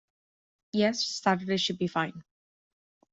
Yes, Saturday should be fine.